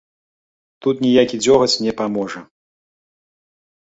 Тут ніякі дзёгаць не паможа!